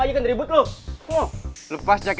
oh ada belakang